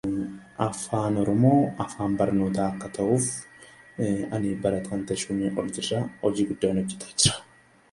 His fellow criminal Steven Boyle was also on trial.